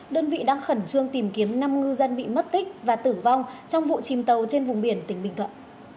đơn vị đang khẩn trương tìm kiếm năm ngư dân bị mất tích và tử vong trong vụ chìm tàu trên vùng biển tỉnh bình thuận